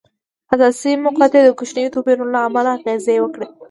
حساسې مقطعې د کوچنیو توپیرونو له امله اغېزې وکړې.